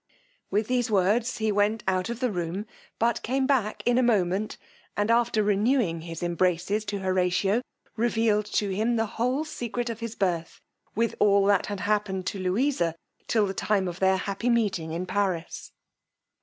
With these words he went out of the room, but came back in a moment, and, after renewing his embraces to Horatio, revealed to him the whole secret of his birth, with all had happened to Louisa till the time of their happy meeting in Paris.